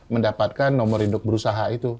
mendapatkan nomor induk berusaha itu